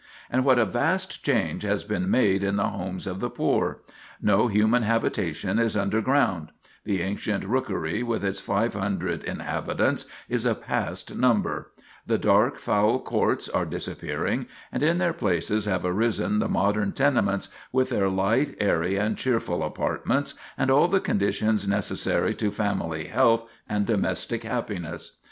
And what a vast change has been made in the homes of the poor! No human habitation is underground; the ancient rookery, with its five hundred inhabitants, is a past number; the dark, foul courts are disappearing, and in their places have arisen the modern tenements, with their light, airy, and cheerful apartments, and all the conditions necessary to family health and domestic happiness.